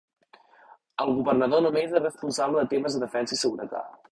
El Governador només és responsable de temes de defensa i seguretat.